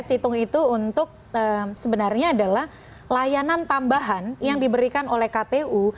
situng itu untuk sebenarnya adalah layanan tambahan yang diberikan oleh kpu